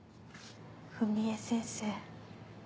史絵先生